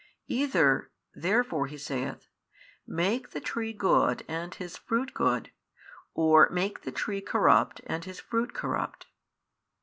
Either therefore, He saith, make the tree good and his fruit good, or make the tree corrupt and his fruit corrupt.